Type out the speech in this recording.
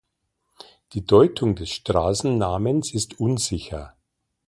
Die Deutung des Straßennamens ist unsicher.